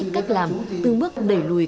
cách làm từng bước đẩy lùi